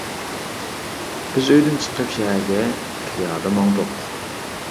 بىز ئۆيدىن چىقىپ شەھەرگە پىيادە ماڭدۇق.